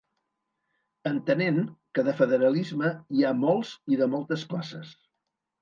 Entenent que de federalisme hi ha molts i de moltes classes.